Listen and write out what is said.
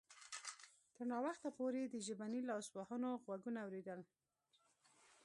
تر ناوخته پورې یې د ژبني لاسوهنو غږونه اوریدل